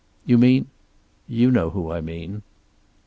"You mean " "You know who I mean."